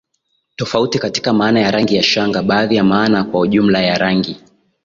tofauti katika maana ya rangi ya shanga baadhi ya maana kwa jumla ya rangi